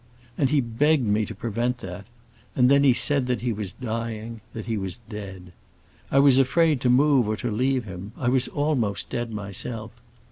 And he begged me to prevent that, and then he said that he was dying, that he was dead. I was afraid to move or to leave him; I was almost dead myself.